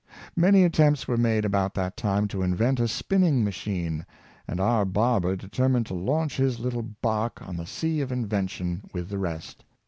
Many attempts were made about that time to invent a spinning ma chine, and our barber determined to launch his little bark on the sea of invention with the rest.